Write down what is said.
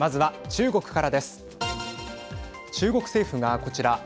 中国政府がこちら。